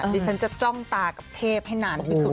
ดิฉันจะจ้องตากับเทพให้นานที่สุด